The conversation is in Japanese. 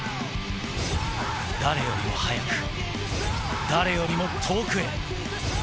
誰よりも速く、誰よりも遠くへ。